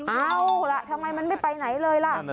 เอาล่ะทำไมมันไม่ไปไหนเลยล่ะ